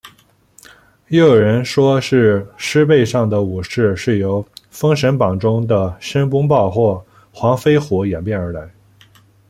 又有人说是狮背上的武士是由封神榜中的申公豹或黄飞虎演变而来。